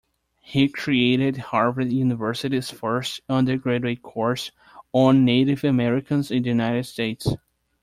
He created Harvard University's first undergraduate course on Native Americans in the United States.